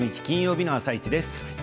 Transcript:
金曜日の「あさイチ」です。